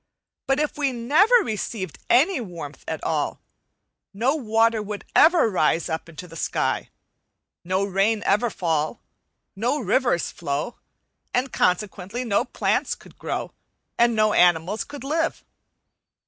But if we never received any warmth at all, no water would ever rise up into the sky, no rain ever fall, no rivers flow, and consequently no plants could grow and no animals live.